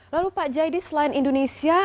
lalu pak jaidi selain indonesia